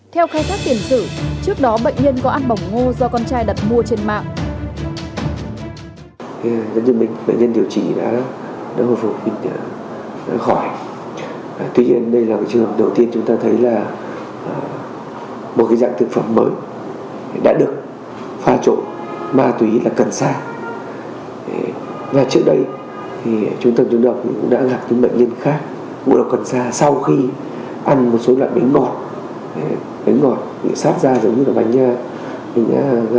theo khai thác tiền sử trước đó bệnh nhân có ăn bỏng ngô do con trai đặt mua trên mạng